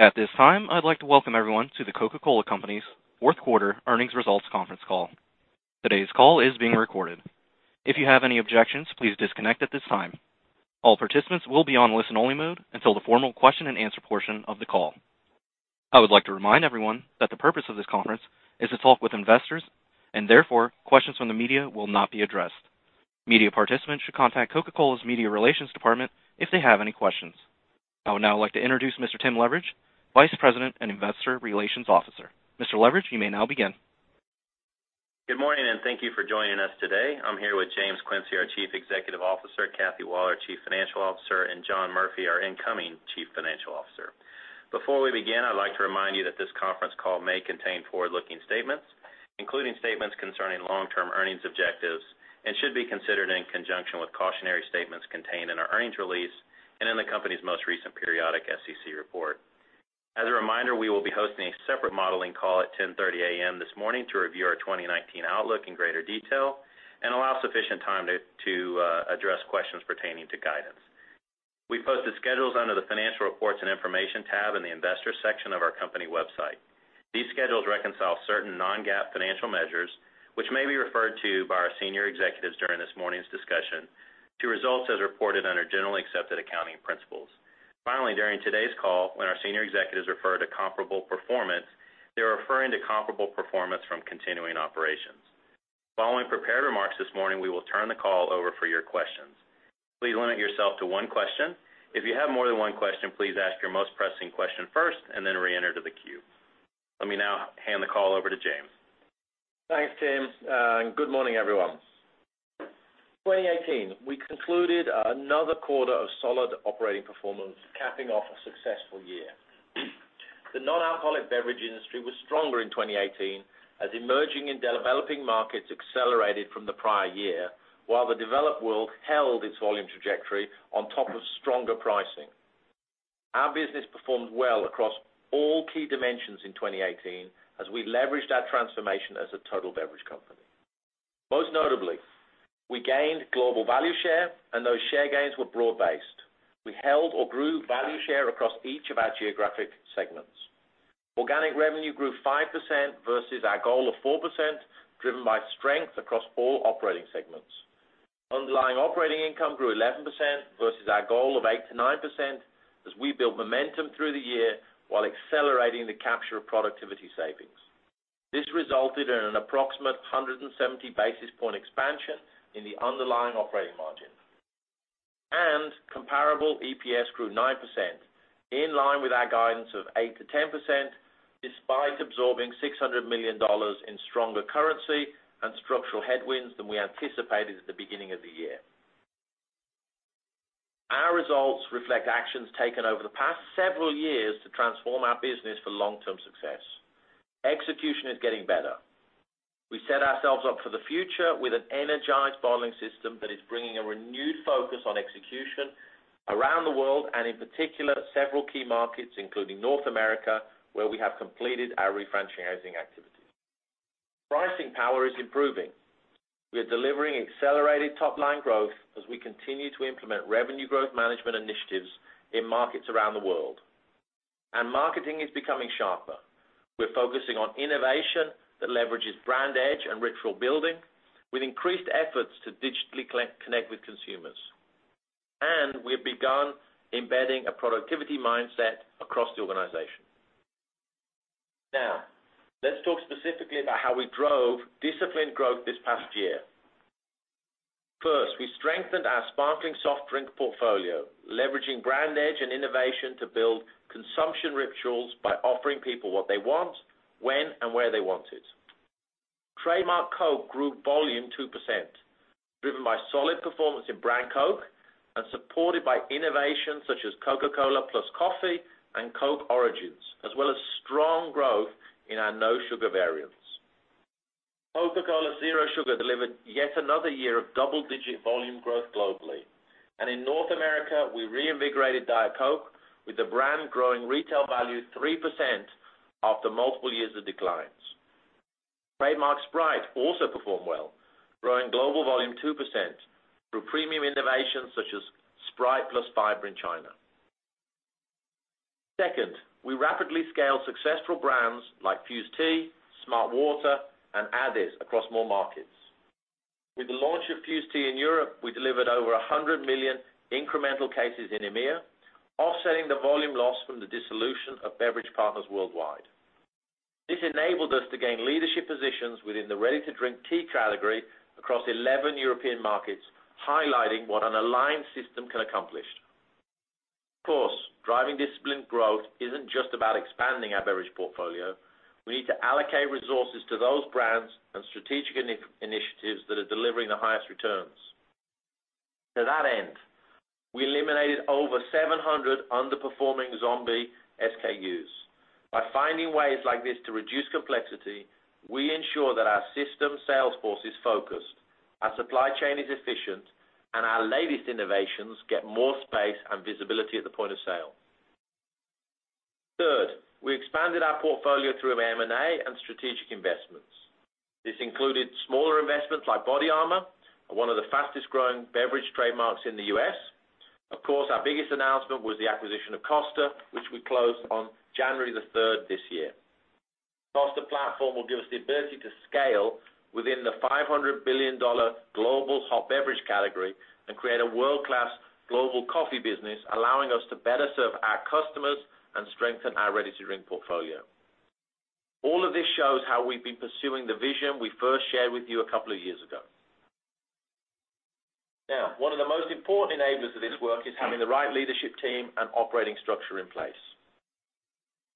At this time, I'd like to welcome everyone to The Coca-Cola Company's fourth quarter earnings results conference call. Today's call is being recorded. If you have any objections, please disconnect at this time. All participants will be on listen-only mode until the formal question and answer portion of the call. I would like to remind everyone that the purpose of this conference is to talk with investors, and therefore, questions from the media will not be addressed. Media participants should contact Coca-Cola's media relations department if they have any questions. I would now like to introduce Mr. Tim Leveridge, Vice President and Investor Relations Officer. Mr. Leveridge, you may now begin. Good morning. Thank you for joining us today. I'm here with James Quincey, our Chief Executive Officer, Kathy Waller, Chief Financial Officer, and John Murphy, our incoming Chief Financial Officer. Before we begin, I'd like to remind you that this conference call may contain forward-looking statements, including statements concerning long-term earnings objectives, and should be considered in conjunction with cautionary statements contained in our earnings release and in the company's most recent periodic SEC report. As a reminder, we will be hosting a separate modeling call at 10:30 A.M. this morning to review our 2019 outlook in greater detail and allow sufficient time to address questions pertaining to guidance. We posted schedules under the Financial Reports and Information tab in the Investors section of our company website. These schedules reconcile certain non-GAAP financial measures, which may be referred to by our senior executives during this morning's discussion, to results as reported under generally accepted accounting principles. Finally, during today's call, when our senior executives refer to comparable performance, they're referring to comparable performance from continuing operations. Following prepared remarks this morning, we will turn the call over for your questions. Please limit yourself to one question. If you have more than one question, please ask your most pressing question first and then reenter to the queue. Let me now hand the call over to James. Thanks, Tim. Good morning, everyone. 2018, we concluded another quarter of solid operating performance, capping off a successful year. The non-alcoholic beverage industry was stronger in 2018 as emerging and developing markets accelerated from the prior year, while the developed world held its volume trajectory on top of stronger pricing. Our business performed well across all key dimensions in 2018 as we leveraged our transformation as a total beverage company. Most notably, we gained global value share, and those share gains were broad-based. We held or grew value share across each of our geographic segments. Organic revenue grew 5% versus our goal of 4%, driven by strength across all operating segments. Underlying operating income grew 11% versus our goal of 8%-9% as we built momentum through the year while accelerating the capture of productivity savings. This resulted in an approximate 170-basis-point expansion in the underlying operating margin. Comparable EPS grew 9%, in line with our guidance of 8%-10%, despite absorbing $600 million in stronger currency and structural headwinds than we anticipated at the beginning of the year. Our results reflect actions taken over the past several years to transform our business for long-term success. Execution is getting better. We set ourselves up for the future with an energized bottling system that is bringing a renewed focus on execution around the world, and in particular, several key markets, including North America, where we have completed our refranchising activity. Pricing power is improving. We are delivering accelerated top-line growth as we continue to implement revenue growth management initiatives in markets around the world. Marketing is becoming sharper. We're focusing on innovation that leverages brand edge and ritual building with increased efforts to digitally connect with consumers. We've begun embedding a productivity mindset across the organization. Now, let's talk specifically about how we drove disciplined growth this past year. First, we strengthened our sparkling soft drink portfolio, leveraging brand edge and innovation to build consumption rituals by offering people what they want, when and where they want it. Trademark Coke grew volume 2%, driven by solid performance in brand Coke and supported by innovations such as Coca-Cola Plus Coffee and Coke Origins, as well as strong growth in our no sugar variants. Coca-Cola Zero Sugar delivered yet another year of double-digit volume growth globally. In North America, we reinvigorated Diet Coke with the brand growing retail value 3% after multiple years of declines. Trademark Sprite also performed well, growing global volume 2% through premium innovations such as Sprite Fiber+ in China. Second, we rapidly scaled successful brands like Fuze Tea, smartwater, and AdeS across more markets. With the launch of Fuze Tea in Europe, we delivered over 100 million incremental cases in EMEA, offsetting the volume loss from the dissolution of Beverage Partners Worldwide. This enabled us to gain leadership positions within the ready-to-drink tea category across 11 European markets, highlighting what an aligned system can accomplish. Of course, driving disciplined growth isn't just about expanding our beverage portfolio. We need to allocate resources to those brands and strategic initiatives that are delivering the highest returns. To that end, we eliminated over 700 underperforming zombie SKUs. By finding ways like this to reduce complexity, we ensure that our system sales force is focused, our supply chain is efficient, and our latest innovations get more space and visibility at the point of sale. Third, we expanded our portfolio through M&A and strategic investments. This included smaller investments like BODYARMOR, one of the fastest-growing beverage trademarks in the U.S. Of course, our biggest announcement was the acquisition of Costa, which we closed on January the 3rd this year. Costa platform will give us the ability to scale within the $500 billion global hot beverage category and create a world-class global coffee business, allowing us to better serve our customers and strengthen our ready-to-drink portfolio. All of this shows how we've been pursuing the vision we first shared with you a couple of years ago. Now, one of the most important enablers of this work is having the right leadership team and operating structure in place.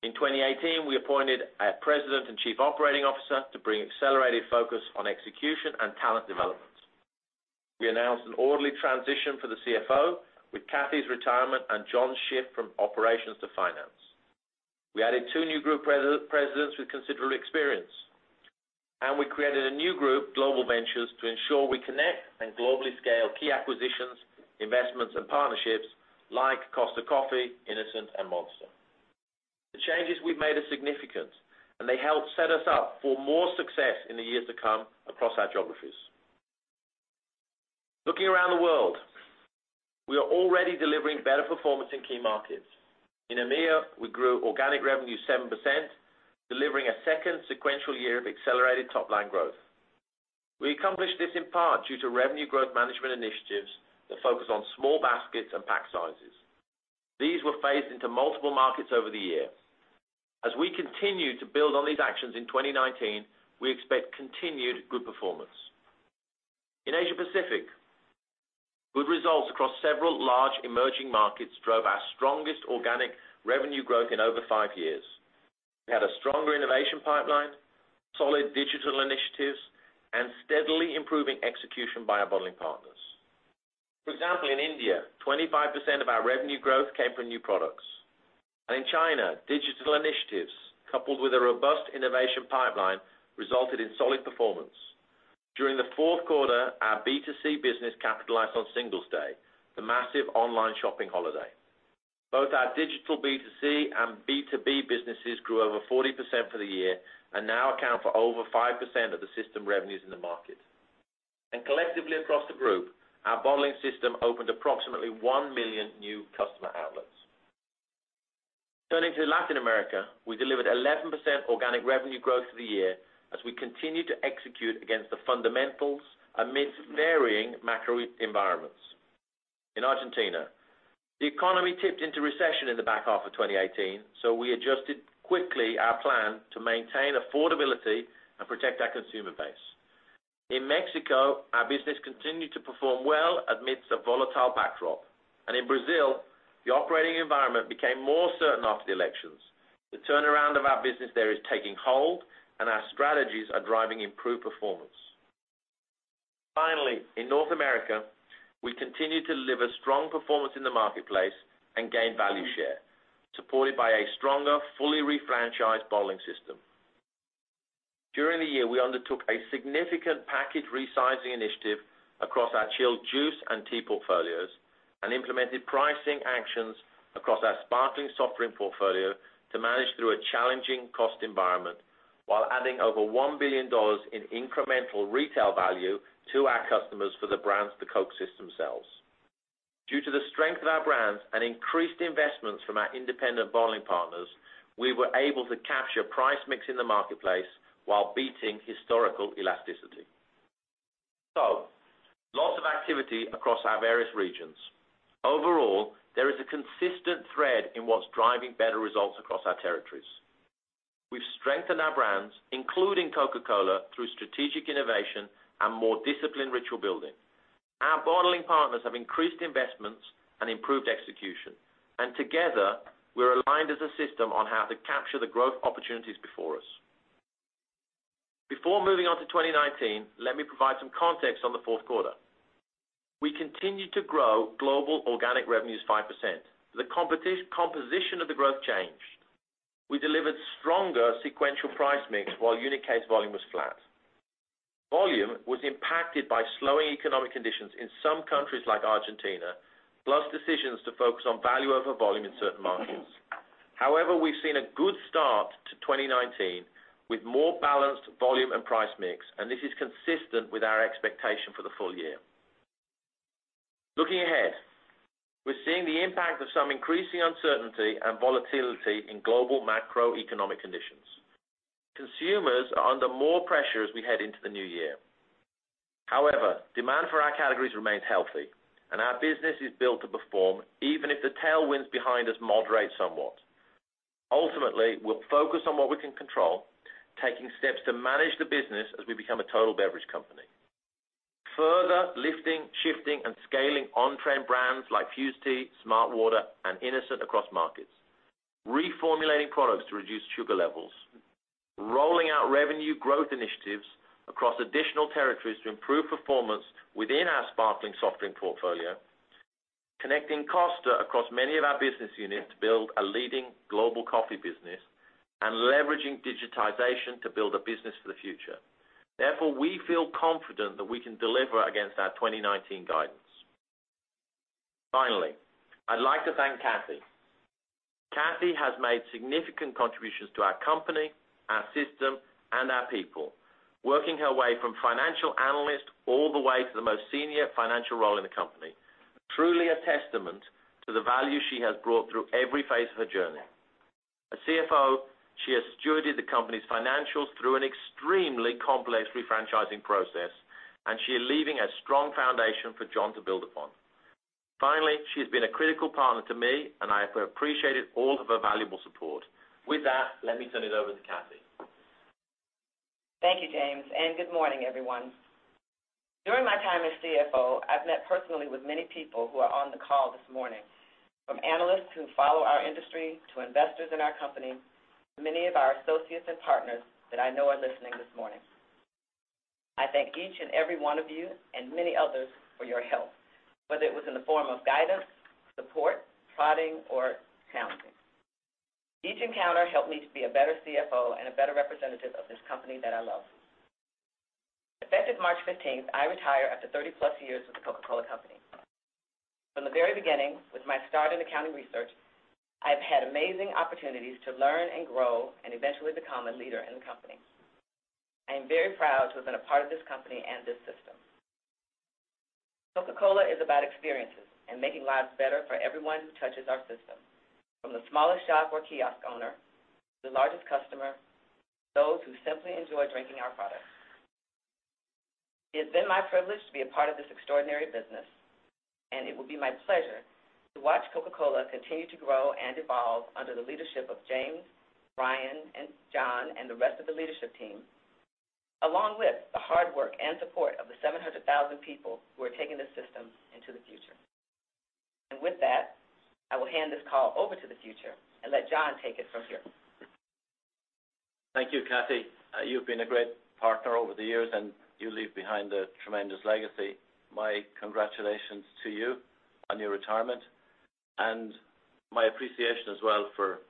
In 2018, we appointed a President and Chief Operating Officer to bring accelerated focus on execution and talent development. We announced an orderly transition for the CFO with Kathy's retirement and John's shift from operations to finance. We added two new group presidents with considerable experience. We created a new group, Global Ventures, to ensure we connect and globally scale key acquisitions, investments, and partnerships like Costa Coffee, innocent, and Monster. The changes we've made are significant. They help set us up for more success in the years to come across our geographies. Looking around the world, we are already delivering better performance in key markets. In EMEA, we grew organic revenue 7%, delivering a second sequential year of accelerated top-line growth. We accomplished this in part due to revenue growth management initiatives that focus on small baskets and pack sizes. These were phased into multiple markets over the year. As we continue to build on these actions in 2019, we expect continued good performance. In Asia Pacific, good results across several large emerging markets drove our strongest organic revenue growth in over five years. We had a stronger innovation pipeline, solid digital initiatives, steadily improving execution by our bottling partners. For example, in India, 25% of our revenue growth came from new products. In China, digital initiatives coupled with a robust innovation pipeline resulted in solid performance. During the fourth quarter, our B2C business capitalized on Singles Day, the massive online shopping holiday. Both our digital B2C and B2B businesses grew over 40% for the year and now account for over 5% of the system revenues in the market. Collectively across the group, our bottling system opened approximately one million new customer outlets. Turning to Latin America, we delivered 11% organic revenue growth for the year as we continued to execute against the fundamentals amidst varying macro environments. In Argentina, the economy tipped into recession in the back half of 2018. We adjusted quickly our plan to maintain affordability and protect our consumer base. In Mexico, our business continued to perform well amidst a volatile backdrop. In Brazil, the operating environment became more certain after the elections. The turnaround of our business there is taking hold. Our strategies are driving improved performance. Finally, in North America, we continued to deliver strong performance in the marketplace and gain value share, supported by a stronger, fully refranchised bottling system. During the year, we undertook a significant package resizing initiative across our chilled juice and tea portfolios and implemented pricing actions across our sparkling soft drink portfolio to manage through a challenging cost environment, while adding over $1 billion in incremental retail value to our customers for the brands the Coke system sells. Due to the strength of our brands and increased investments from our independent bottling partners, we were able to capture price mix in the marketplace while beating historical elasticity. Lots of activity across our various regions. Overall, there is a consistent thread in what's driving better results across our territories. We've strengthened our brands, including Coca-Cola, through strategic innovation and more disciplined ritual building. Our bottling partners have increased investments and improved execution. Together, we're aligned as a system on how to capture the growth opportunities before us. Before moving on to 2019, let me provide some context on the fourth quarter. We continued to grow global organic revenues 5%. The composition of the growth changed. We delivered stronger sequential price mix while unit case volume was flat. Volume was impacted by slowing economic conditions in some countries like Argentina, plus decisions to focus on value over volume in certain markets. However, we've seen a good start to 2019 with more balanced volume and price mix, and this is consistent with our expectation for the full year. Looking ahead, we're seeing the impact of some increasing uncertainty and volatility in global macroeconomic conditions. Consumers are under more pressure as we head into the new year. However, demand for our categories remains healthy, and our business is built to perform even if the tailwinds behind us moderate somewhat. Ultimately, we'll focus on what we can control, taking steps to manage the business as we become a total beverage company. Further lifting, shifting, and scaling on-trend brands like Fuze Tea, smartwater, and innocent across markets. Reformulating products to reduce sugar levels. Rolling out revenue growth initiatives across additional territories to improve performance within our sparkling soft drink portfolio. Connecting Costa across many of our business units to build a leading global coffee business, and leveraging digitization to build a business for the future. We feel confident that we can deliver against our 2019 guidance. I'd like to thank Kathy. Kathy has made significant contributions to our company, our system, and our people, working her way from financial analyst all the way to the most senior financial role in the company. Truly a testament to the value she has brought through every phase of her journey. As CFO, she has stewarded the company's financials through an extremely complex refranchising process, and she is leaving a strong foundation for John to build upon. She has been a critical partner to me, and I have appreciated all of her valuable support. With that, let me turn it over to Kathy. Thank you, James, and good morning, everyone. During my time as CFO, I've met personally with many people who are on the call this morning, from analysts who follow our industry to investors in our company, to many of our associates and partners that I know are listening this morning. I thank each and every one of you and many others for your help, whether it was in the form of guidance, support, prodding, or challenging. Each encounter helped me to be a better CFO and a better representative of this company that I love. Effective March 15th, I retire after 30+ years with The Coca-Cola Company. From the very beginning, with my start in accounting research, I've had amazing opportunities to learn and grow and eventually become a leader in the company. I am very proud to have been a part of this company and this system. Coca-Cola is about experiences and making lives better for everyone who touches our system, from the smallest shop or kiosk owner, the largest customer, those who simply enjoy drinking our products. It's been my privilege to be a part of this extraordinary business, and it will be my pleasure to watch Coca-Cola continue to grow and evolve under the leadership of James, Bryan, and John, and the rest of the leadership team, along with the hard work and support of the 700,000 people who are taking this system into the future. With that, I will hand this call over to the future and let John take it from here. Thank you, Kathy. You've been a great partner over the years, and you leave behind a tremendous legacy. My congratulations to you on your retirement and my appreciation as well for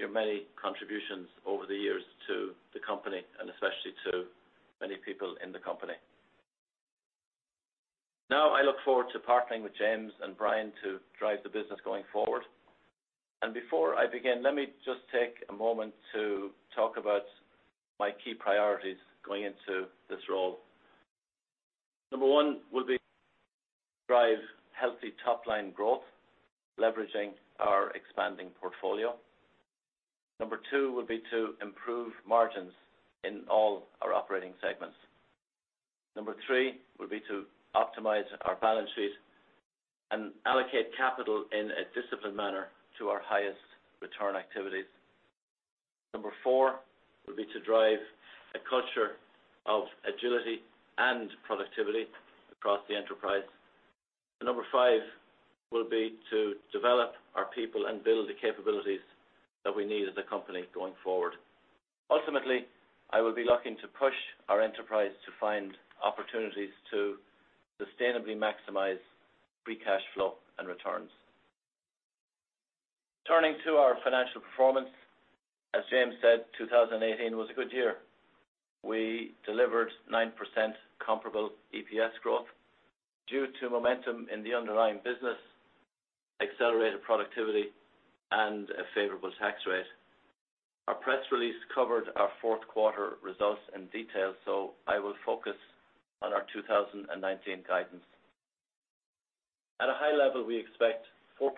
your many contributions over the years to the company and especially to many people in the company. Now I look forward to partnering with James and Bryan to drive the business going forward. Before I begin, let me just take a moment to talk about my key priorities going into this role. Number one will be drive healthy top-line growth, leveraging our expanding portfolio. Number two will be to improve margins in all our operating segments. Number three will be to optimize our balance sheet and allocate capital in a disciplined manner to our highest return activities. Number four will be to drive a culture of agility and productivity across the enterprise. Number five will be to develop our people and build the capabilities that we need as a company going forward. Ultimately, I will be looking to push our enterprise to find opportunities to sustainably maximize free cash flow and returns. Turning to our financial performance. As James said, 2018 was a good year. We delivered 9% comparable EPS growth due to momentum in the underlying business, accelerated productivity, and a favorable tax rate. Our press release covered our fourth quarter results in detail, so I will focus on our 2019 guidance. At a high level, we expect 4%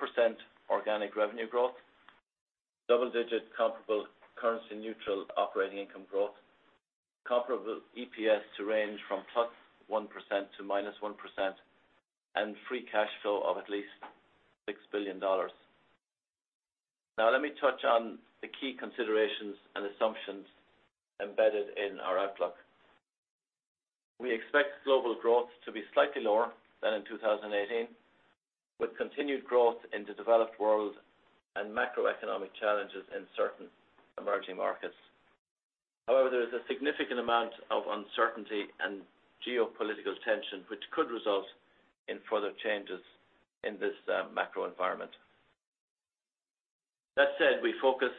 organic revenue growth, double-digit comparable currency-neutral operating income growth, comparable EPS to range from +1% to -1%, and free cash flow of at least $6 billion. Now let me touch on the key considerations and assumptions embedded in our outlook. We expect global growth to be slightly lower than in 2018, with continued growth in the developed world and macroeconomic challenges in certain emerging markets. However, there is a significant amount of uncertainty and geopolitical tension, which could result in further changes in this macro environment. That said, we focus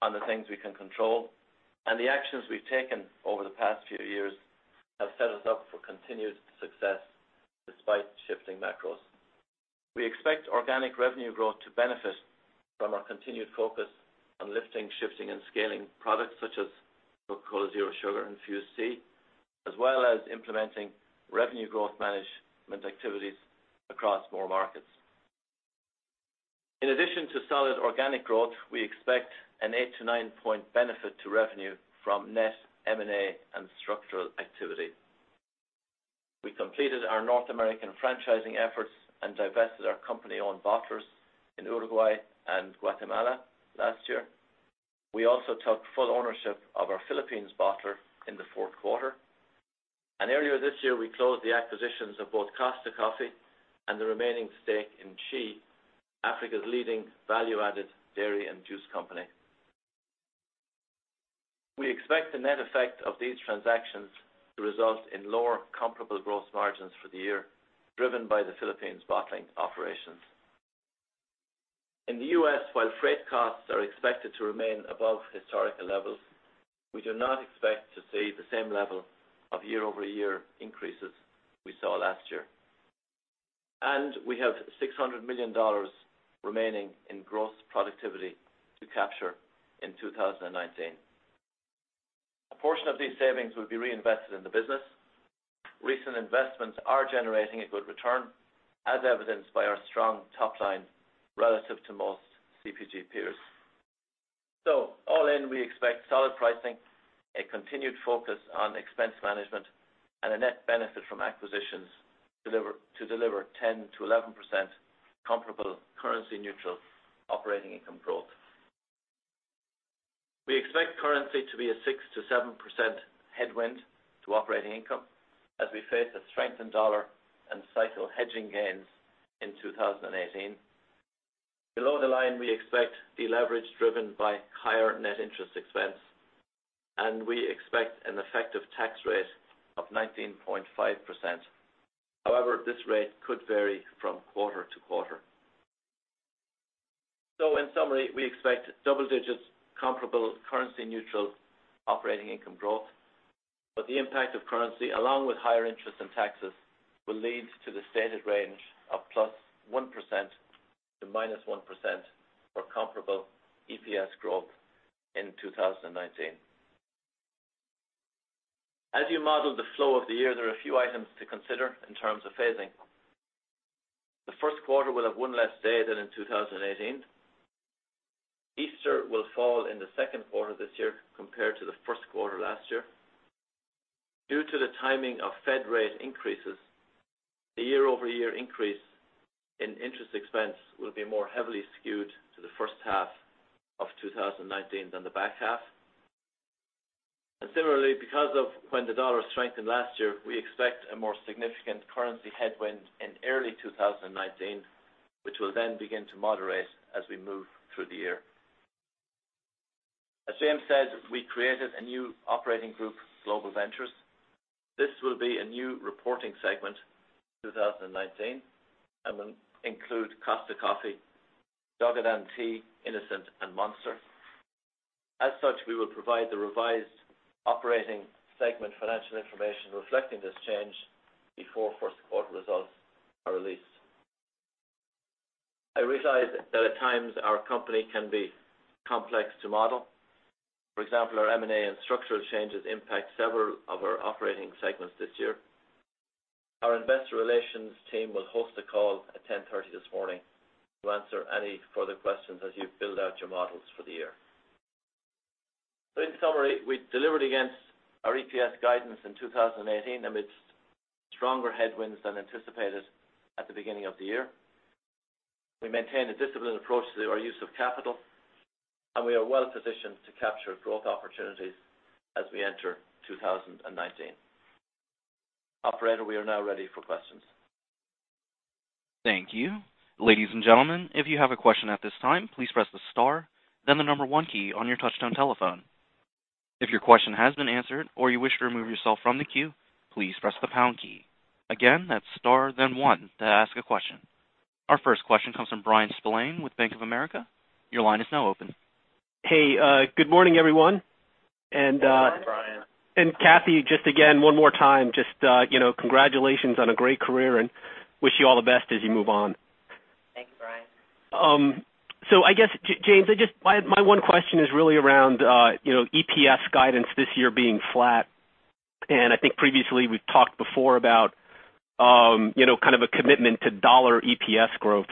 on the things we can control, and the actions we've taken over the past few years have set us up for continued success despite shifting macros. We expect organic revenue growth to benefit from our continued focus on lifting, shifting, and scaling products such as Coca-Cola Zero Sugar and Fuze Tea, as well as implementing revenue growth management activities across more markets. In addition to solid organic growth, we expect an eight to nine point benefit to revenue from net M&A and structural activity. We completed our North American franchising efforts and divested our company-owned bottlers in Uruguay and Guatemala last year. We also took full ownership of our Philippines bottler in the fourth quarter. Earlier this year, we closed the acquisitions of both Costa Coffee and the remaining stake in Chi, Africa's leading value-added dairy and juice company. We expect the net effect of these transactions to result in lower comparable growth margins for the year, driven by the Philippines bottling operation. In the U.S., while freight costs are expected to remain above historical levels, we do not expect to see the same level of year-over-year increases we saw last year. We have $600 million remaining in gross productivity to capture in 2019. A portion of these savings will be reinvested in the business. Recent investments are generating a good return, as evidenced by our strong top line relative to most CPG peers. All in, we expect solid pricing, a continued focus on expense management, and a net benefit from acquisitions to deliver 10%-11% comparable currency neutral operating income growth. We expect currency to be a 6%-7% headwind to operating income as we face a strengthened dollar and cycle hedging gains in 2018. Below the line, we expect deleverage driven by higher net interest expense, and we expect an effective tax rate of 19.5%. However, this rate could vary from quarter-to-quarter. In summary, we expect double digits comparable currency neutral operating income growth, but the impact of currency, along with higher interest and taxes, will lead to the stated range of +1% to -1% for comparable EPS growth in 2019. As you model the flow of the year, there are a few items to consider in terms of phasing. The first quarter will have one less day than in 2018. Easter will fall in the second quarter this year compared to the first quarter last year. Due to the timing of Fed rate increases, the year-over-year increase in interest expense will be more heavily skewed to the first half of 2019 than the back half. Similarly, because of when the dollar strengthened last year, we expect a more significant currency headwind in early 2019, which will then begin to moderate as we move through the year. As James said, we created a new operating group, Global Ventures. This will be a new reporting segment, 2019, and will include Costa Coffee, Douwe Egberts and Tea, innocent and Monster. Such, we will provide the revised operating segment financial information reflecting this change before first quarter results are released. I realize that at times our company can be complex to model. For example, our M&A and structural changes impact several of our operating segments this year. Our investor relations team will host a call at 10:30 A.M. this morning to answer any further questions as you build out your models for the year. In summary, we delivered against our EPS guidance in 2018 amidst stronger headwinds than anticipated at the beginning of the year. We maintained a disciplined approach to our use of capital, and we are well-positioned to capture growth opportunities as we enter 2019. Operator, we are now ready for questions. Thank you. Ladies and gentlemen, if you have a question at this time, please press the star then the number one key on your touch-tone telephone. If your question has been answered or you wish to remove yourself from the queue, please press the pound key. Again, that's star then one to ask a question. Our first question comes from Bryan Spillane with Bank of America. Your line is now open. Hey, good morning, everyone. Good morning, Bryan. Kathy, just again, one more time, just congratulations on a great career and wish you all the best as you move on. Thank you, Bryan. I guess, James, my one question is really around EPS guidance this year being flat, and I think previously we've talked before about a commitment to U.S. dollar EPS growth.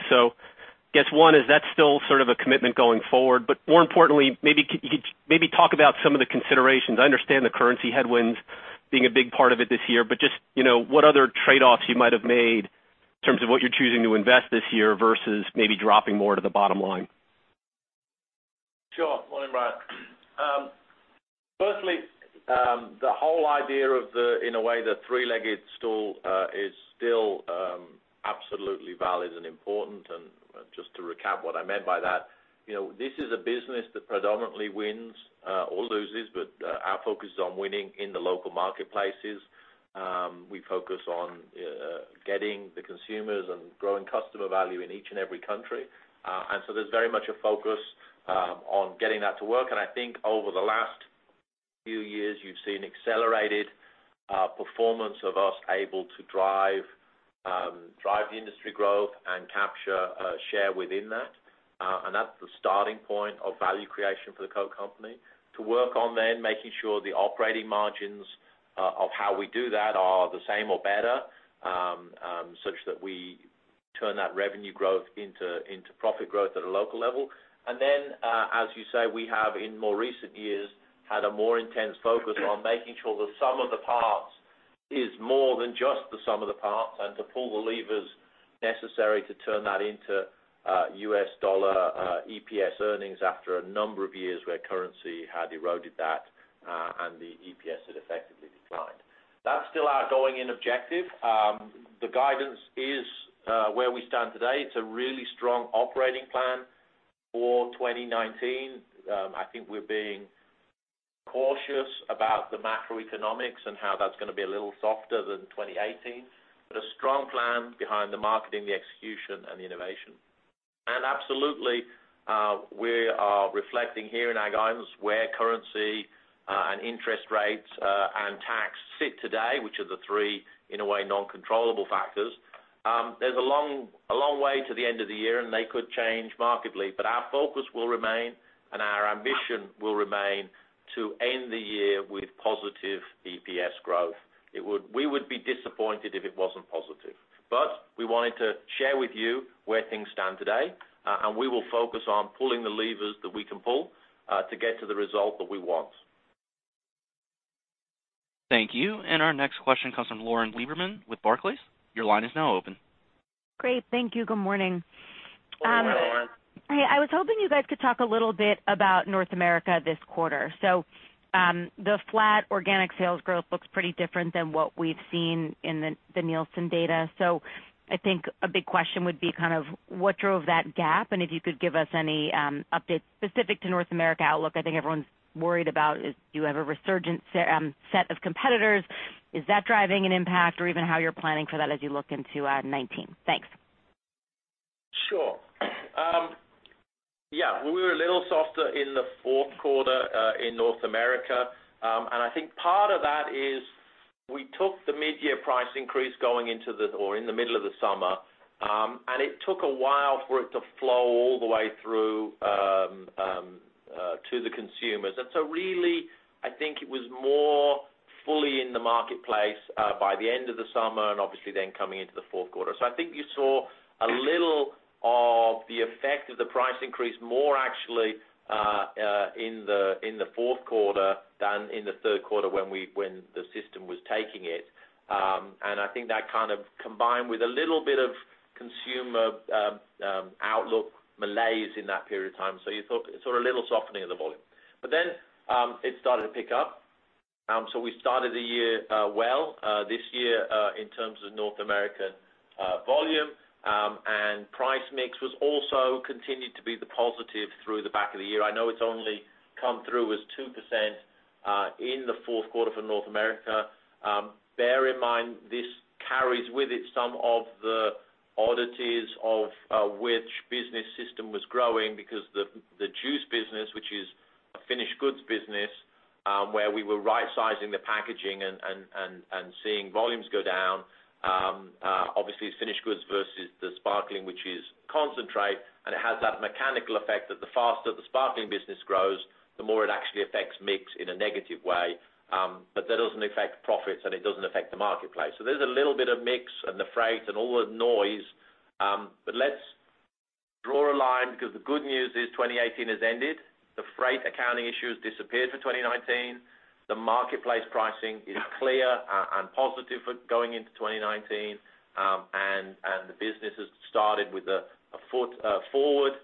I guess one, is that still sort of a commitment going forward? More importantly, maybe talk about some of the considerations. I understand the currency headwinds being a big part of it this year, but just what other trade-offs you might have made in terms of what you're choosing to invest this year versus maybe dropping more to the bottom line. Sure. Morning, Bryan. Firstly, the whole idea of, in a way, the three-legged stool, is still absolutely valid and important. Just to recap what I meant by that, this is a business that predominantly wins or loses, but our focus is on winning in the local marketplaces. We focus on getting the consumers and growing customer value in each and every country. There's very much a focus on getting that to work. I think over the last few years, you've seen accelerated performance of us able to drive industry growth and capture share within that. That's the starting point of value creation for the Coke company. To work on making sure the operating margins of how we do that are the same or better, such that we turn that revenue growth into profit growth at a local level. As you say, we have in more recent years, had a more intense focus on making sure the sum of the parts is more than just the sum of the parts, and to pull the levers necessary to turn that into U.S. dollar EPS earnings after a number of years where currency had eroded that, and the EPS had effectively declined. That's still our going-in objective. The guidance is where we stand today. It's a really strong operating plan for 2019. I think we're being Cautious about the macroeconomics and how that's going to be a little softer than 2018, but a strong plan behind the marketing, the execution, and the innovation. Absolutely, we are reflecting here in our guidance where currency and interest rates, and tax sit today, which are the three, in a way, non-controllable factors. There's a long way to the end of the year and they could change markedly, but our focus will remain and our ambition will remain to end the year with positive EPS growth. We would be disappointed if it wasn't positive. We wanted to share with you where things stand today, and we will focus on pulling the levers that we can pull to get to the result that we want. Thank you. Our next question comes from Lauren Lieberman with Barclays. Your line is now open. Great. Thank you. Good morning. Good morning, Lauren. Hey. I was hoping you guys could talk a little bit about North America this quarter. The flat organic sales growth looks pretty different than what we've seen in the Nielsen data. I think a big question would be what drove that gap, and if you could give us any updates specific to North America outlook. I think everyone's worried about is, do you have a resurgent set of competitors? Is that driving an impact? Even how you're planning for that as you look into 2019. Thanks. Sure. Yeah, we were a little softer in the fourth quarter in North America. I think part of that is we took the mid-year price increase in the middle of the summer, and it took a while for it to flow all the way through to the consumers. Really, I think it was more fully in the marketplace by the end of the summer and obviously then coming into the fourth quarter. I think you saw a little of the effect of the price increase more actually in the fourth quarter than in the third quarter when the system was taking it. It started to pick up. We started the year well this year in terms of North American volume, and price mix was also continued to be the positive through the back of the year. I know it's only come through as 2% in the fourth quarter for North America. Bear in mind, this carries with it some of the oddities of which business system was growing because the juice business, which is a finished goods business, where we were rightsizing the packaging and seeing volumes go down. Obviously it's finished goods versus the sparkling, which is concentrate, and it has that mechanical effect that the faster the sparkling business grows, the more it actually affects mix in a negative way. That doesn't affect profits and it doesn't affect the marketplace. There's a little bit of mix and the freight and all the noise. Let's draw a line because the good news is 2018 has ended. The freight accounting issues disappeared for 2019. The marketplace pricing is clear and positive for going into 2019. The business has started with a foot forward.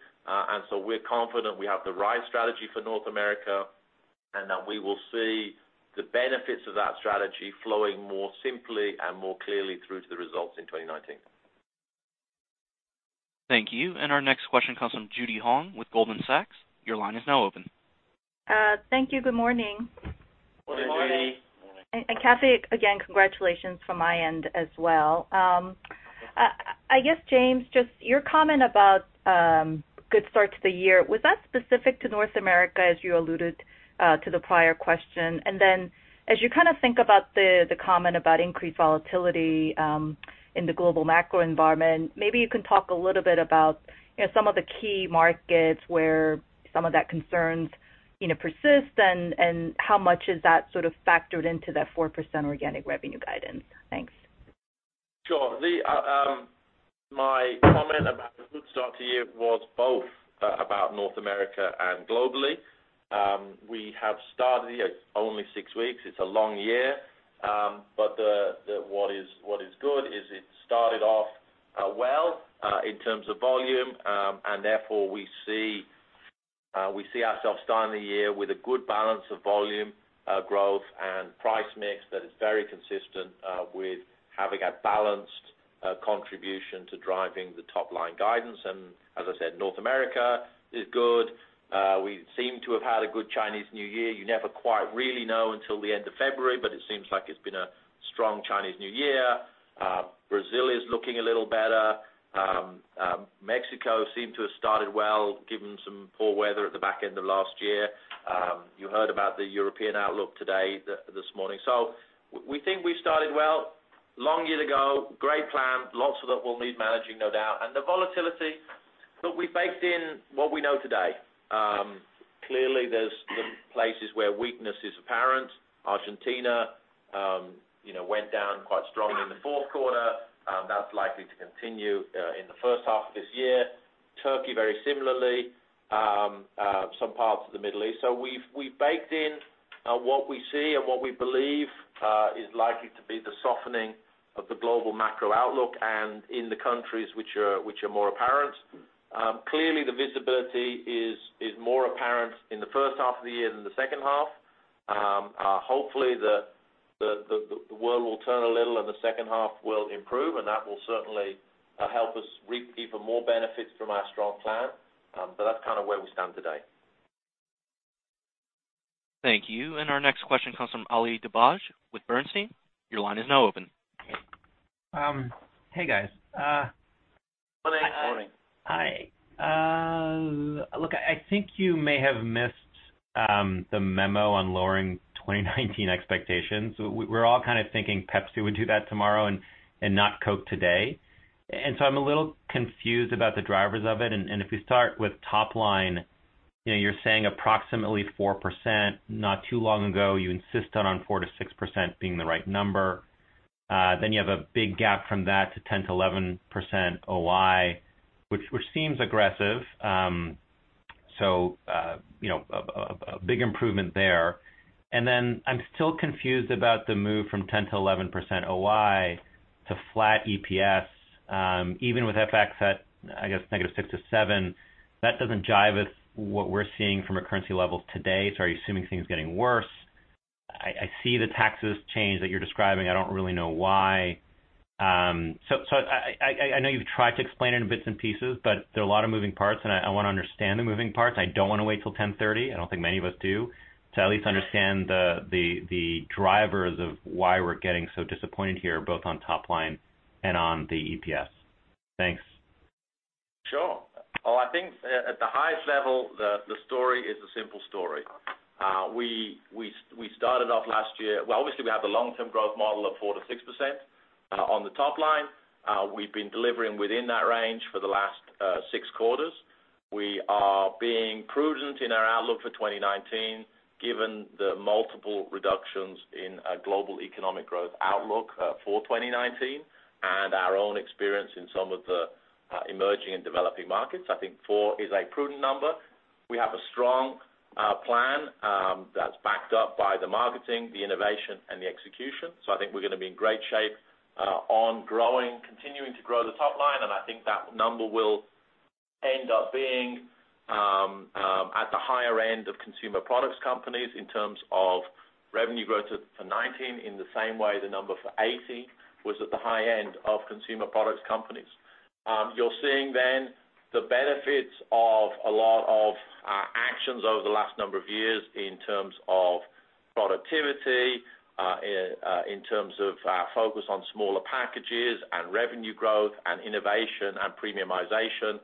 We're confident we have the right strategy for North America, and that we will see the benefits of that strategy flowing more simply and more clearly through to the results in 2019. Thank you. Our next question comes from Judy Hong with Goldman Sachs. Your line is now open. Thank you. Good morning. Good morning. Kathy, again, congratulations from my end as well. I guess, James, just your comment about good start to the year, was that specific to North America as you alluded to the prior question? Then as you think about the comment about increased volatility in the global macro environment, maybe you can talk a little bit about some of the key markets where some of that concerns persist, and how much is that sort of factored into that 4% organic revenue guidance. Thanks. Sure. My comment about the good start to year was both about North America and globally. We have started, it is only six weeks. It is a long year. What is good is it started off well in terms of volume, and therefore we see ourselves starting the year with a good balance of volume, growth, and price mix that is very consistent with having a balanced contribution to driving the top-line guidance. As I said, North America is good. We seem to have had a good Chinese New Year. You never quite really know until the end of February, but it seems like it has been a strong Chinese New Year. Brazil is looking a little better. Mexico seemed to have started well, given some poor weather at the back end of last year. You heard about the European outlook today, this morning. We think we started well. Long year to go, great plan. Lots of that will need managing, no doubt. The volatility. Look, we baked in what we know today. Clearly, there is places where weakness is apparent. Argentina went down quite strongly in the fourth quarter. That is likely to continue in the first half of this year. Turkey, very similarly. Some parts of the Middle East. We have baked in what we see and what we believe is likely to be the softening of the global macro outlook and in the countries which are more apparent. Clearly the visibility is more apparent in the first half of the year than the second half. Hopefully, the world will turn a little and the second half will improve, and that will certainly help us reap even more benefits from our strong plan. That is kind of where we stand today. Thank you. Our next question comes from Ali Dibadj with Bernstein. Your line is now open. Hey, guys. Morning. Hi. Look, I think you may have missed the memo on lowering 2019 expectations. We're all kind of thinking Pepsi would do that tomorrow and not Coke today. I'm a little confused about the drivers of it, and if we start with top line, you're saying approximately 4%. Not too long ago, you insisted on 4%-6% being the right number. You have a big gap from that to 10%-11% OI, which seems aggressive, so a big improvement there. I'm still confused about the move from 10%-11% OI to flat EPS, even with FX at, I guess, -6% to -7%. That doesn't jive with what we're seeing from a currency level today. Are you assuming things are getting worse? I see the taxes change that you're describing. I don't really know why. I know you've tried to explain it in bits and pieces, but there are a lot of moving parts, and I want to understand the moving parts. I don't want to wait till 10:30. I don't think many of us do, to at least understand the drivers of why we're getting so disappointed here, both on top line and on the EPS. Thanks. Sure. I think at the highest level, the story is a simple story. We started off last year. Obviously, we have the long-term growth model of 4%-6% on the top line. We've been delivering within that range for the last six quarters. We are being prudent in our outlook for 2019, given the multiple reductions in global economic growth outlook for 2019 and our own experience in some of the emerging and developing markets. I think four is a prudent number. We have a strong plan that's backed up by the marketing, the innovation, and the execution. I think we're going to be in great shape on continuing to grow the top line, and I think that number will end up being at the higher end of consumer products companies in terms of revenue growth for 2019, in the same way the number for 2018 was at the high end of consumer products companies. You're seeing the benefits of a lot of our actions over the last number of years in terms of productivity, in terms of our focus on smaller packages and revenue growth and innovation and premiumization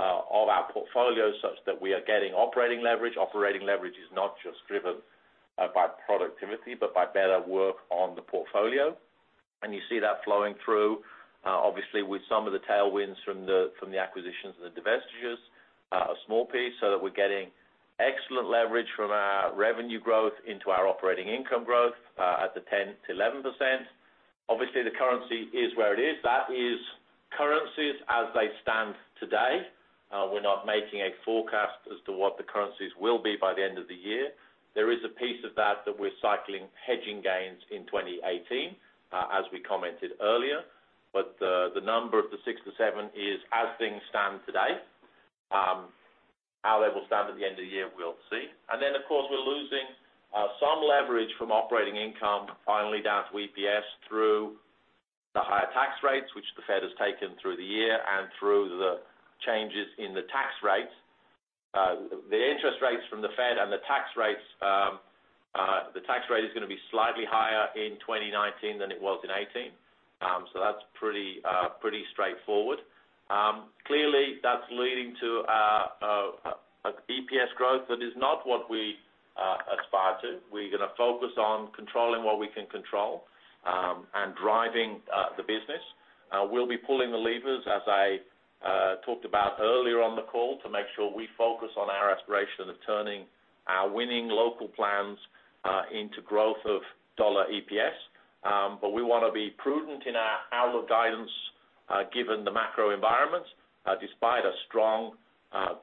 of our portfolio such that we are getting operating leverage. Operating leverage is not just driven by productivity, but by better work on the portfolio. You see that flowing through, obviously, with some of the tailwinds from the acquisitions and the divestitures, a small piece, so that we're getting excellent leverage from our revenue growth into our operating income growth at the 10%-11%. Obviously, the currency is where it is. That is currencies as they stand today. We're not making a forecast as to what the currencies will be by the end of the year. There is a piece of that that we're cycling hedging gains in 2018, as we commented earlier. The number of the 6%-7% is as things stand today. How they will stand at the end of the year, we'll see. Of course, we're losing some leverage from operating income finally down to EPS through the higher tax rates, which the Fed has taken through the year and through the changes in the tax rates. The interest rates from the Fed and the tax rates, the tax rate is going to be slightly higher in 2019 than it was in 2018. That's pretty straightforward. Clearly, that's leading to an EPS growth that is not what we aspire to. We're going to focus on controlling what we can control and driving the business. We'll be pulling the levers, as I talked about earlier on the call, to make sure we focus on our aspiration of turning our winning local plans into growth of dollar EPS. We want to be prudent in our outlook guidance given the macro environment, despite a strong,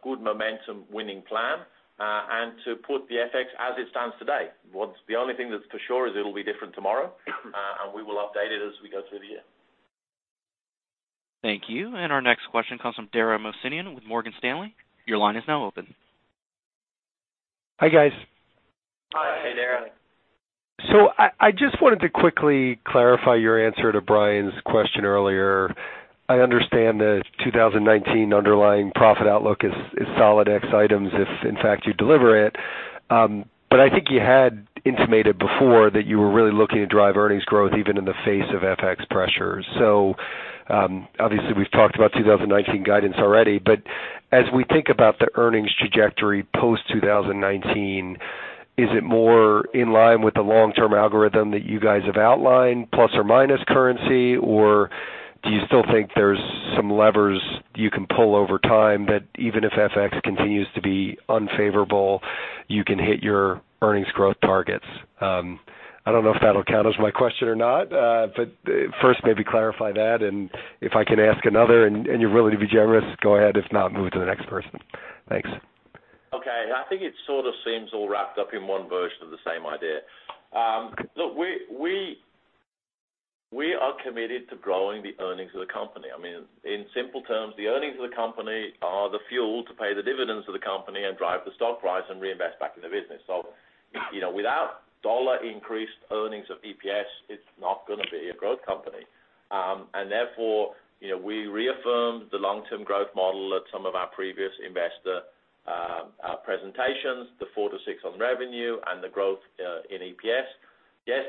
good momentum winning plan, and to put the FX as it stands today. The only thing that's for sure is it'll be different tomorrow, and we will update it as we go through the year. Thank you. Our next question comes from Dara Mohsenian with Morgan Stanley. Your line is now open. Hi, guys. Hi. Hey, Dara. I just wanted to quickly clarify your answer to Bryan's question earlier. I understand the 2019 underlying profit outlook is solid ex items if, in fact, you deliver it. I think you had intimated before that you were really looking to drive earnings growth even in the face of FX pressures. Obviously, we've talked about 2019 guidance already, as we think about the earnings trajectory post-2019, is it more in line with the long-term algorithm that you guys have outlined, plus or minus currency, or do you still think there's some levers you can pull over time that even if FX continues to be unfavorable, you can hit your earnings growth targets? I don't know if that'll count as my question or not. First, maybe clarify that, and if I can ask another and you're willing to be generous, go ahead. If not, move to the next person. Thanks. Okay. I think it sort of seems all wrapped up in one version of the same idea. We are committed to growing the earnings of the company. In simple terms, the earnings of the company are the fuel to pay the dividends of the company and drive the stock price and reinvest back in the business. Without dollar increased earnings of EPS, it's not going to be a growth company. We reaffirmed the long-term growth model at some of our previous investor presentations, the 4%-6% on revenue and the growth in EPS.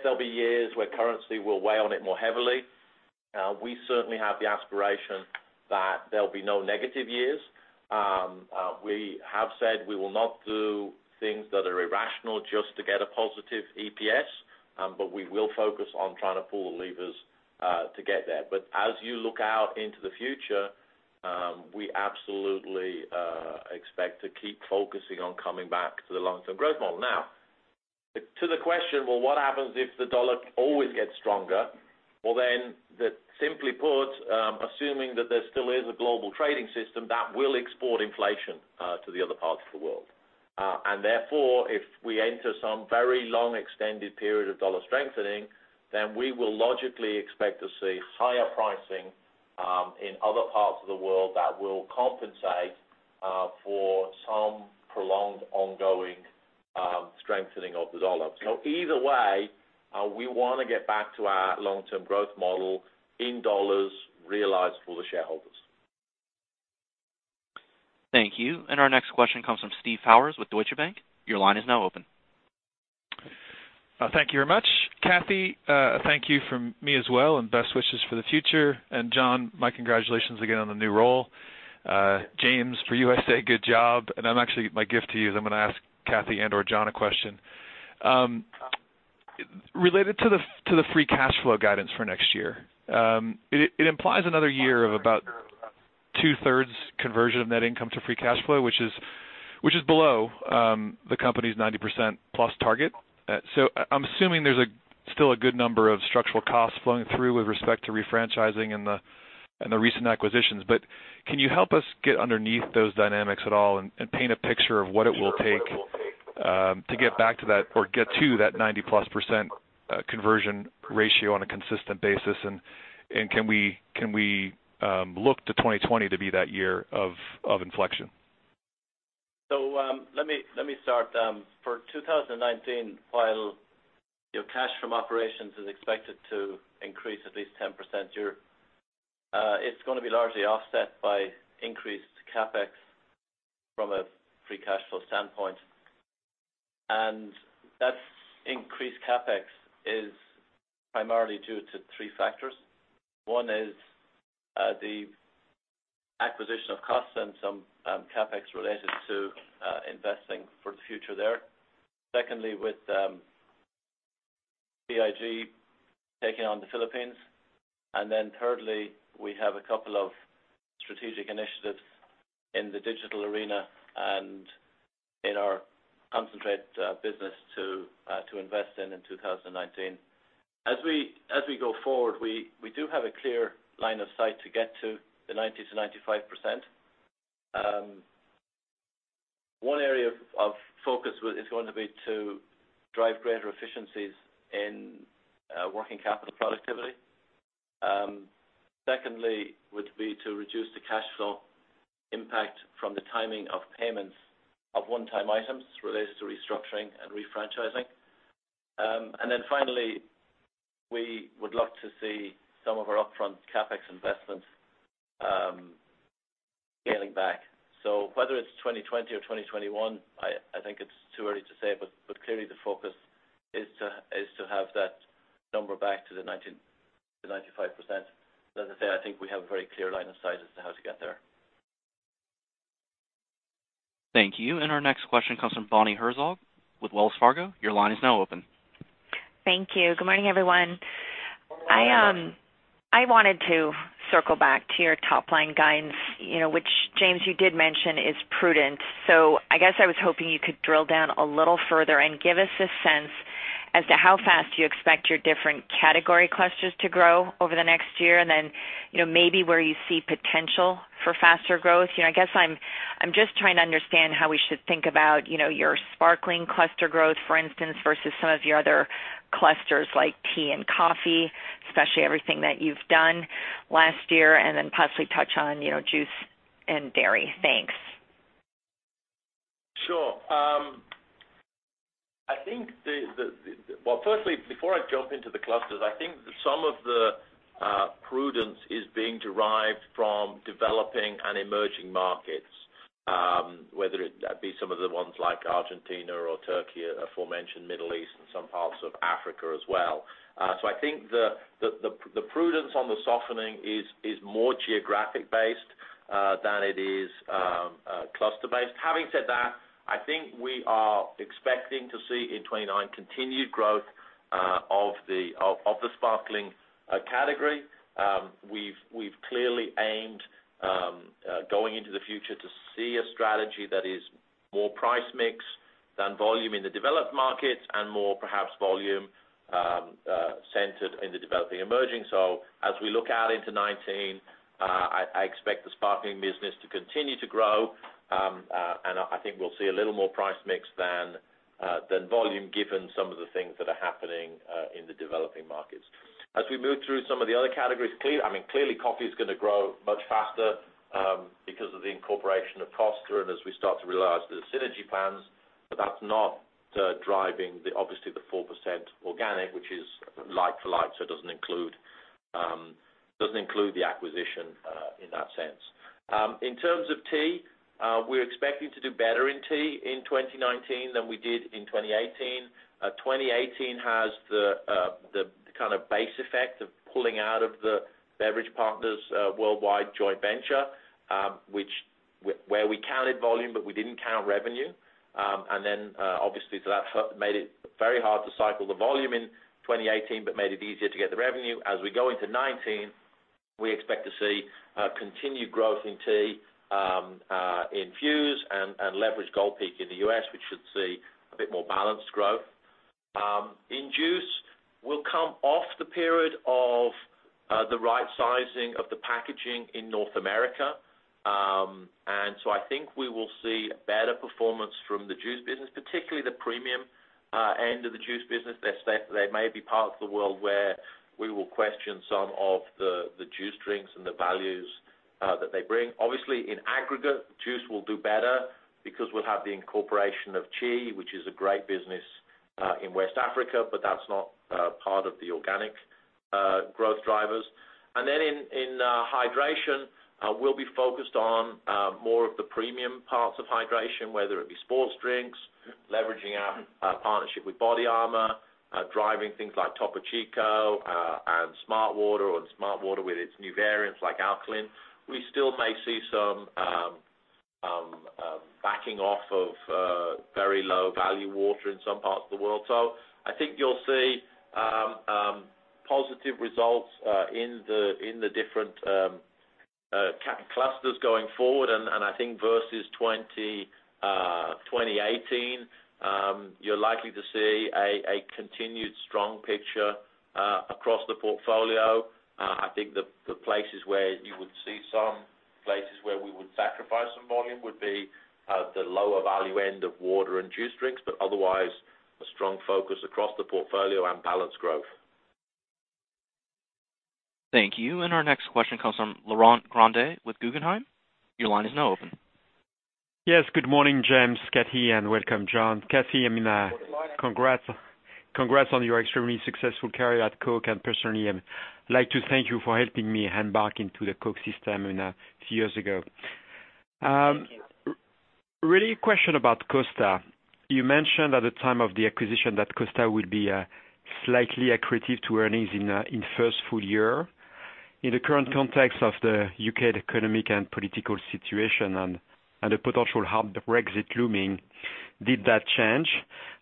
There'll be years where currency will weigh on it more heavily. We certainly have the aspiration that there'll be no negative years. We have said we will not do things that are irrational just to get a positive EPS, we will focus on trying to pull the levers to get there. As you look out into the future, we absolutely expect to keep focusing on coming back to the long-term growth model. To the question, what happens if the dollar always gets stronger? Simply put, assuming that there still is a global trading system, that will export inflation to the other parts of the world. If we enter some very long extended period of dollar strengthening, we will logically expect to see higher pricing in other parts of the world that will compensate for some prolonged ongoing strengthening of the dollar. Either way, we want to get back to our long-term growth model in dollars realized for the shareholders. Thank you. Our next question comes from Steve Powers with Deutsche Bank. Your line is now open. Thank you very much. Kathy, thank you from me as well, and best wishes for the future. John, my congratulations again on the new role. James, for you I say good job. Actually, my gift to you is I'm going to ask Kathy and/or John a question. Related to the free cash flow guidance for next year. It implies another year of about 2/3 conversion of net income to free cash flow, which is below the company's 90%+ target. I'm assuming there's still a good number of structural costs flowing through with respect to refranchising and the recent acquisitions. Can you help us get underneath those dynamics at all and paint a picture of what it will take to get back to that or get to that 90%+ conversion ratio on a consistent basis? Can we look to 2020 to be that year of inflection? Let me start. For 2019, while cash from operations is expected to increase at least 10%, it's going to be largely offset by increased CapEx from a free cash flow standpoint. That increased CapEx is primarily due to three factors. One is the acquisition of Costa and some CapEx related to investing for the future there. Secondly, with BIG taking on the Philippines. Thirdly, we have a couple of strategic initiatives in the digital arena and in our concentrate business to invest in 2019. As we go forward, we do have a clear line of sight to get to the 90%-95%. One area of focus is going to be to drive greater efficiencies in working capital productivity. Secondly would be to reduce the cash flow impact from the timing of payments of one-time items related to restructuring and refranchising. Finally, we would love to see some of our upfront CapEx investments scaling back. Whether it's 2020 or 2021, I think it's too early to say, but clearly the focus is to have that number back to the 90%-95%. As I say, I think we have a very clear line of sight as to how to get there. Thank you. Our next question comes from Bonnie Herzog with Wells Fargo. Your line is now open. Thank you. Good morning, everyone. I wanted to circle back to your top-line guidance, which James, you did mention is prudent. I guess I was hoping you could drill down a little further and give us a sense as to how fast you expect your different category clusters to grow over the next year, and then maybe where you see potential for faster growth. I guess I'm just trying to understand how we should think about your sparkling cluster growth, for instance, versus some of your other clusters like tea and coffee, especially everything that you've done last year, and then possibly touch on juice and dairy. Thanks. Sure. Firstly, before I jump into the clusters, I think some of the prudence is being derived from developing and emerging markets, whether that be some of the ones like Argentina or Turkey, aforementioned Middle East, and some parts of Africa as well. I think the prudence on the softening is more geographic-based than it is cluster-based. Having said that, I think we are expecting to see in 2019 continued growth of the sparkling category. We've clearly aimed going into the future to see a strategy that is more price mix than volume in the developed markets and more perhaps volume centered in the developing emerging. As we look out into 2019, I expect the sparkling business to continue to grow. I think we'll see a little more price mix than Than volume, given some of the things that are happening in the developing markets. As we move through some of the other categories, clearly coffee is going to grow much faster because of the incorporation of Costa and as we start to realize the synergy plans. That's not driving obviously the 4% organic, which is like for like, so it doesn't include the acquisition in that sense. In terms of tea, we're expecting to do better in tea in 2019 than we did in 2018. 2018 has the base effect of pulling out of the Beverage Partners Worldwide joint venture, where we counted volume, but we didn't count revenue. Obviously, that made it very hard to cycle the volume in 2018, but made it easier to get the revenue. As we go into 2019, we expect to see continued growth in tea, in Fuze Tea, and leverage Gold Peak in the U.S., which should see a bit more balanced growth. In juice, we'll come off the period of the right sizing of the packaging in North America. I think we will see better performance from the juice business, particularly the premium end of the juice business. There may be parts of the world where we will question some of the juice drinks and the values that they bring. Obviously, in aggregate, juice will do better because we'll have the incorporation of Chi, which is a great business in West Africa, but that's not part of the organic growth drivers. In hydration, we'll be focused on more of the premium parts of hydration, whether it be sports drinks, leveraging our partnership with BODYARMOR, driving things like Topo Chico and smartwater, or smartwater with its new variants like alkaline. We still may see some backing off of very low-value water in some parts of the world. I think you'll see positive results in the different clusters going forward. I think versus 2018, you're likely to see a continued strong picture across the portfolio. I think the places where you would see some places where we would sacrifice some volume would be the lower value end of water and juice drinks, otherwise, a strong focus across the portfolio and balanced growth. Thank you. Our next question comes from Laurent Grandet with Guggenheim. Your line is now open. Yes. Good morning, James, Kathy, and welcome, John. Kathy, congrats on your extremely successful career at Coke, personally, I'd like to thank you for helping me head back into the Coke system a few years ago. Thank you. Really a question about Costa. You mentioned at the time of the acquisition that Costa will be slightly accretive to earnings in first full year. In the current context of the U.K. economic and political situation and the potential hard Brexit looming, did that change?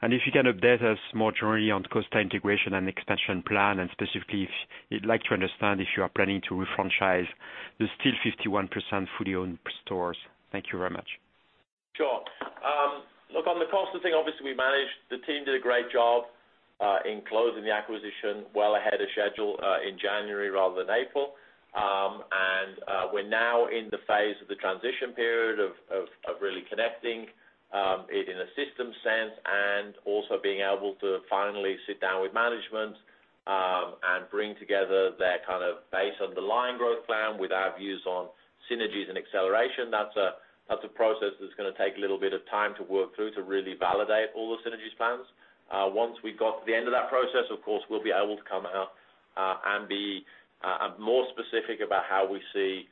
If you can update us more generally on Costa integration and expansion plan, and specifically if you'd like to understand if you are planning to refranchise the still 51% fully owned stores. Thank you very much. Sure. Look, on the Costa thing, obviously we managed. The team did a great job in closing the acquisition well ahead of schedule in January rather than April. We're now in the phase of the transition period of really connecting it in a system sense and also being able to finally sit down with management and bring together their base underlying growth plan with our views on synergies and acceleration. That's a process that's going to take a little bit of time to work through to really validate all the synergies plans. Once we got to the end of that process, of course, we'll be able to come out and be more specific about how we see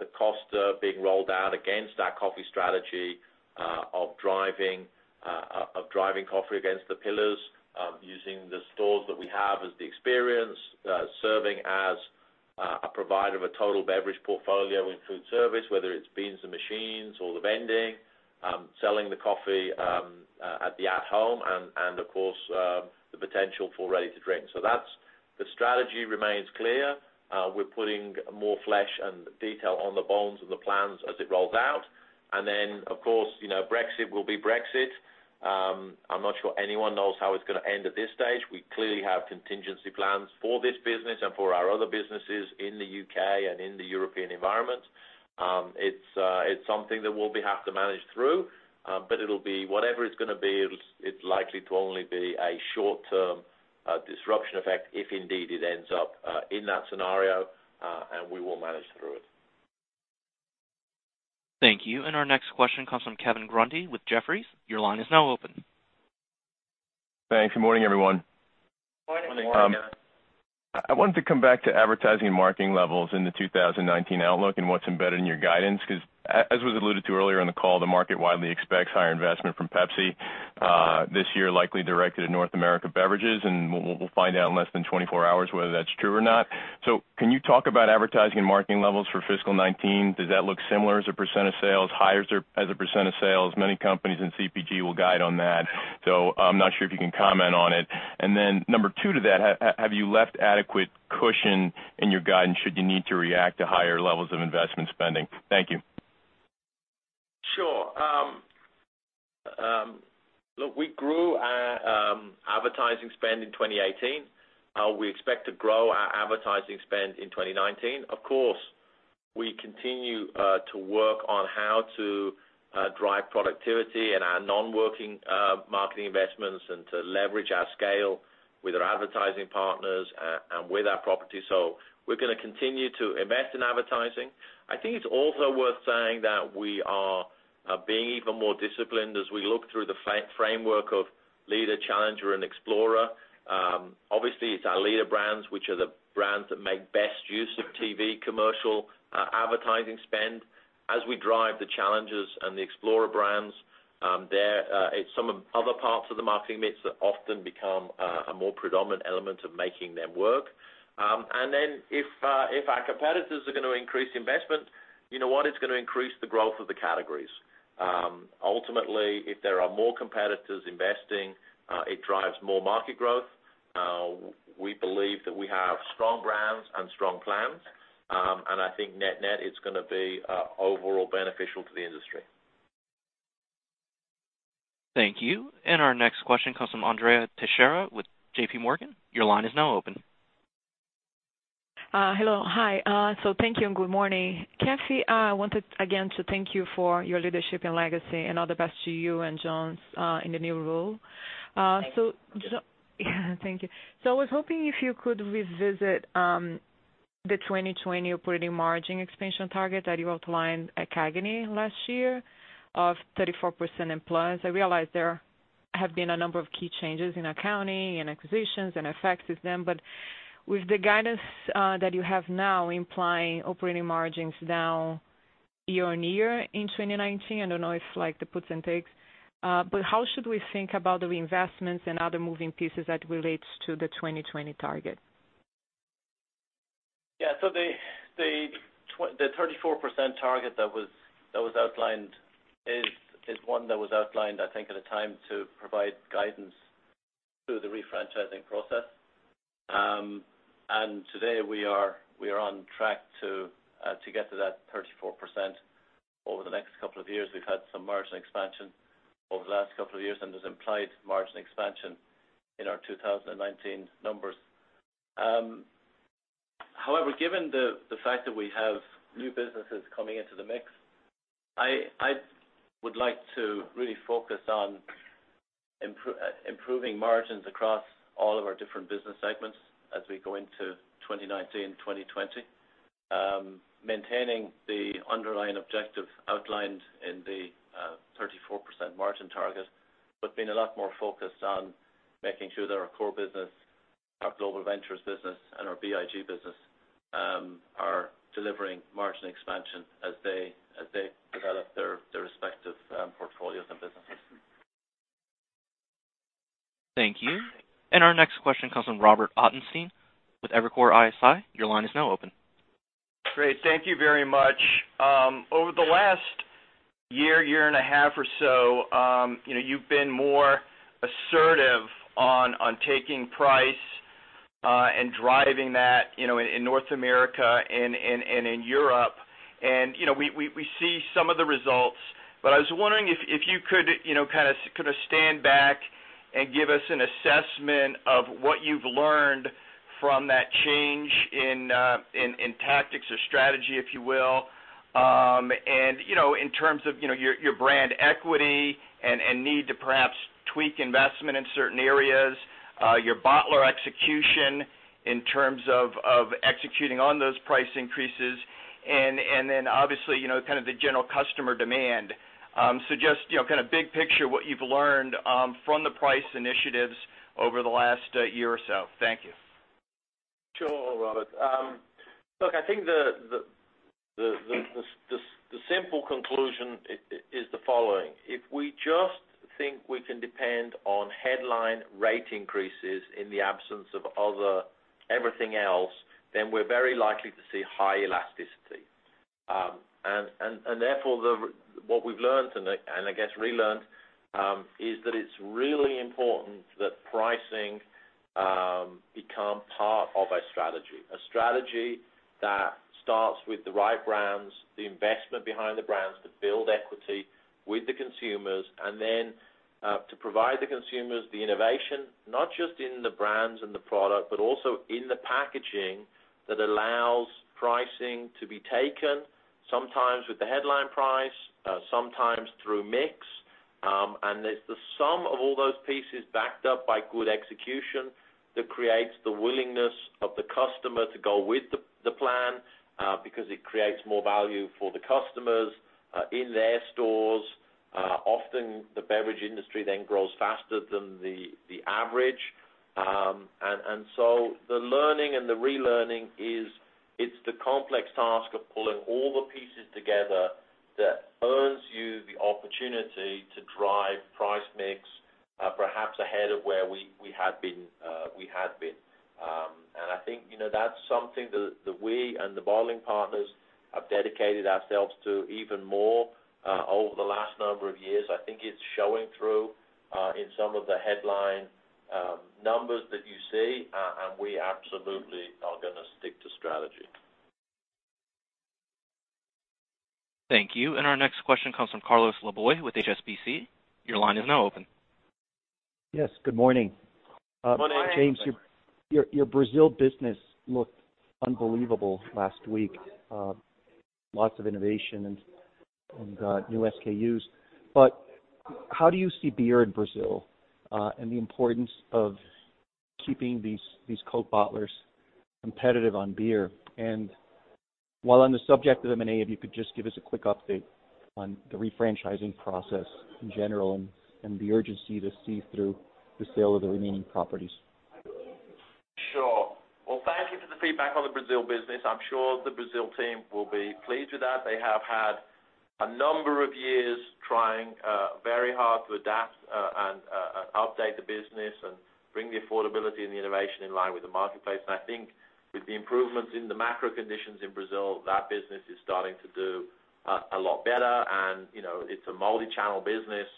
the Costa being rolled out against our coffee strategy of driving coffee against the pillars, using the stores that we have as the experience, serving as a provider of a total beverage portfolio in food service, whether it's beans to machines or the vending, selling the coffee at the at home, and of course, the potential for ready-to-drink. The strategy remains clear. We're putting more flesh and detail on the bones and the plans as it rolls out. Then, of course, Brexit will be Brexit. I'm not sure anyone knows how it's going to end at this stage. We clearly have contingency plans for this business and for our other businesses in the U.K. and in the European environment. It's something that we'll have to manage through. It'll be whatever it's going to be, it's likely to only be a short-term disruption effect, if indeed it ends up in that scenario, and we will manage through it. Thank you. Our next question comes from Kevin Grundy with Jefferies. Your line is now open. Thanks. Good morning, everyone. Morning. Good morning. I wanted to come back to advertising and marketing levels in the 2019 outlook and what's embedded in your guidance, because as was alluded to earlier in the call, the market widely expects higher investment from Pepsi this year, likely directed at North America beverages, and we'll find out in less than 24 hours whether that's true or not. Can you talk about advertising and marketing levels for fiscal 2019? Does that look similar as a percent of sales, higher as a percent of sales? Many companies in CPG will guide on that, so I'm not sure if you can comment on it. Then number two to that, have you left adequate cushion in your guidance should you need to react to higher levels of investment spending? Thank you. Sure. Look, we grew Advertising spend in 2018. We expect to grow our advertising spend in 2019. Of course, we continue to work on how to drive productivity and our non-working marketing investments and to leverage our scale with our advertising partners and with our property. We're going to continue to invest in advertising. I think it's also worth saying that we are being even more disciplined as we look through the framework of leader, challenger, and explorer. Obviously, it's our leader brands, which are the brands that make best use of TV commercial advertising spend. As we drive the challengers and the explorer brands, it's some of other parts of the marketing mix that often become a more predominant element of making them work. Then if our competitors are going to increase investment, you know what? It's going to increase the growth of the categories. Ultimately, if there are more competitors investing, it drives more market growth. We believe that we have strong brands and strong plans. I think net-net, it's going to be overall beneficial to the industry. Thank you. Our next question comes from Andrea Teixeira with JPMorgan. Your line is now open. Hello. Hi. Thank you, and good morning. Kathy, I wanted again to thank you for your leadership and legacy, and all the best to you and John in the new role. Thank you. Yeah, thank you. I was hoping if you could revisit the 2020 operating margin expansion target that you outlined at CAGNY last year of 34% and plus. I realize there have been a number of key changes in accounting and acquisitions and effects with them. With the guidance that you have now implying operating margins now year-on-year in 2019, I don't know if like the puts and takes. How should we think about the investments and other moving pieces that relates to the 2020 target? Yeah. The 34% target that was outlined is one that was outlined, I think at a time to provide guidance through the refranchising process. Today we are on track to get to that 34% over the next couple of years. We've had some margin expansion over the last couple of years, and there's implied margin expansion in our 2019 numbers. However, given the fact that we have new businesses coming into the mix, I would like to really focus on improving margins across all of our different business segments as we go into 2019, 2020. Maintaining the underlying objective outlined in the 34% margin target, but being a lot more focused on making sure that our core business, our Global Ventures business, and our BIG business are delivering margin expansion as they develop their respective portfolios and businesses. Thank you. Our next question comes from Robert Ottenstein with Evercore ISI. Your line is now open. Great. Thank you very much. Over the last year and a half or so, you've been more assertive on taking price and driving that in North America and in Europe. We see some of the results, but I was wondering if you could kind of stand back and give us an assessment of what you've learned from that change in tactics or strategy, if you will. In terms of your brand equity and need to perhaps tweak investment in certain areas, your bottler execution in terms of executing on those price increases and then obviously, kind of the general customer demand. Just kind of big picture, what you've learned from the price initiatives over the last year or so. Thank you. Sure, Robert. Look, I think the simple conclusion is the following. If we just think we can depend on headline rate increases in the absence of other everything else, then we're very likely to see high elasticity. Therefore, what we've learned, and I guess relearned, is that it's really important that pricing become part of a strategy. A strategy that starts with the right brands, the investment behind the brands to build equity with the consumers, and then to provide the consumers the innovation, not just in the brands and the product, but also in the packaging that allows pricing to be taken, sometimes with the headline price, sometimes through mix. It's the sum of all those pieces backed up by good execution that creates the willingness of the customer to go with the plan, because it creates more value for the customers in their stores. Often the beverage industry then grows faster than the average. The learning and the relearning is it's the complex task of pulling all the pieces together that earns you the opportunity to drive price mix perhaps ahead of where we had been. I think that's something that we and the bottling partners have dedicated ourselves to even more over the last number of years. I think it's showing through in some of the headline numbers that you see, and we absolutely are going to stick to strategy. Thank you. Our next question comes from Carlos Laboy with HSBC. Your line is now open. Yes, good morning. Good morning. James, your Brazil business looked unbelievable last week. Lots of innovation and new SKUs. How do you see beer in Brazil, and the importance of keeping these Coke bottlers competitive on beer? While on the subject of M&A, if you could just give us a quick update on the refranchising process in general and the urgency to see through the sale of the remaining properties. Sure. Well, thank you for the feedback on the Brazil business. I'm sure the Brazil team will be pleased with that. They have had a number of years trying very hard to adapt and update the business and bring the affordability and the innovation in line with the marketplace. I think with the improvements in the macro conditions in Brazil, that business is starting to do a lot better. It's a multi-channel business,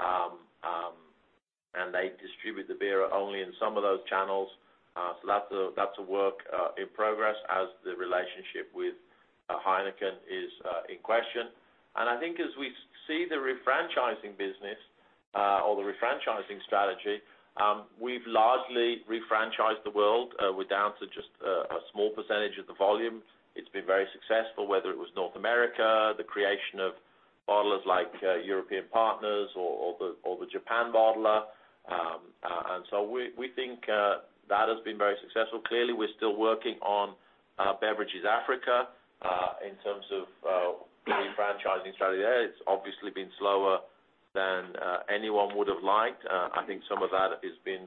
and they distribute the beer only in some of those channels. That's a work in progress as the relationship with Heineken is in question. I think as we see the refranchising business, or the refranchising strategy, we've largely refranchised the world. We're down to just a small percentage of the volume. It's been very successful, whether it was North America, the creation of bottlers like European Partners or the Japan bottler. We think that has been very successful. Clearly, we're still working on Beverages Africa, in terms of refranchising strategy there. It's obviously been slower than anyone would have liked. I think some of that has been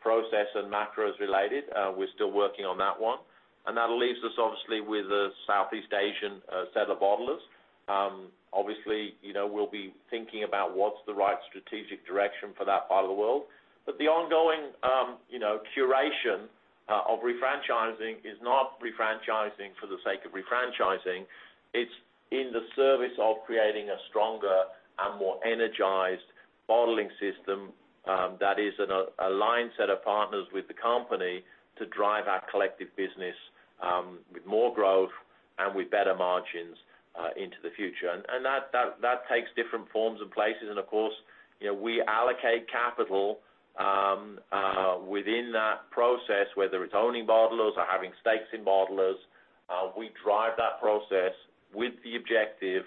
process and macros related. We're still working on that one. That leaves us obviously with the Southeast Asian set of bottlers. Obviously, we'll be thinking about what's the right strategic direction for that part of the world. The ongoing curation of refranchising is not refranchising for the sake of refranchising. It's in the service of creating a stronger and more energized bottling system that is an aligned set of partners with the company to drive our collective business with more growth and with better margins into the future. That takes different forms and places. Of course, we allocate capital within that process, whether it's owning bottlers or having stakes in bottlers. We drive that process with the objective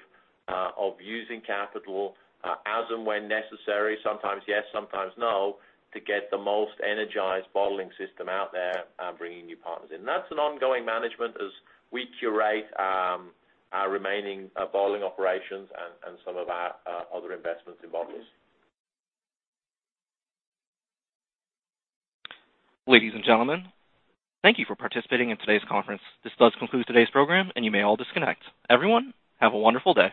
of using capital as and when necessary, sometimes yes, sometimes no, to get the most energized bottling system out there and bringing new partners in. That's an ongoing management as we curate our remaining bottling operations and some of our other investments in bottlers. Ladies and gentlemen, thank you for participating in today's conference. This does conclude today's program, and you may all disconnect. Everyone, have a wonderful day.